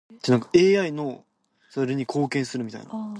AIのそれに貢献するみたいな ああー